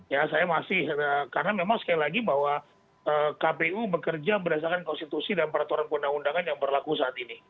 ya saya masih karena memang sekali lagi bahwa kpu bekerja berdasarkan konstitusi dan peraturan undang undangan yang berlaku saat ini